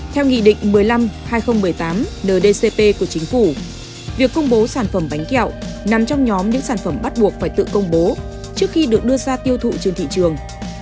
theo nghị định một mươi năm hai nghìn một mươi tám ndcp của chính phủ việc công bố sản phẩm bánh kẹo nằm trong nhóm những sản phẩm bắt buộc phải tự công bố trước khi được đưa ra tiêu thụ trên thị trường